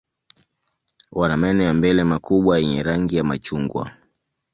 Wana meno ya mbele makubwa yenye rangi ya machungwa.